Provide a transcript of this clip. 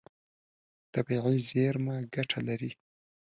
طبیعي زیرمه ګټه لري.